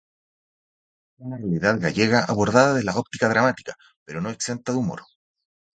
Una realidad gallega abordada desde la óptica dramática, pero no exenta de humor.